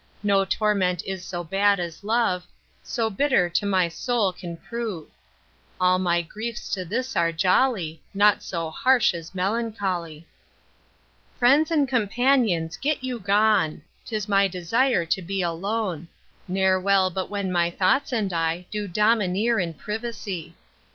No torment is so bad as love, So bitter to my soul can prove. All my griefs to this are jolly, Naught so harsh as melancholy. Friends and companions get you gone, 'Tis my desire to be alone; Ne'er well but when my thoughts and I Do domineer in privacy.